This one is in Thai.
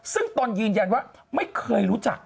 ซึ่งตนยืนยันว่าไม่เคยรู้จัก